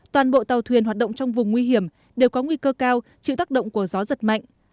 toàn bộ tàu thuyền hoạt động trong vùng nguy hiểm đều có nguy cơ cao chịu tác động của gió giật mạnh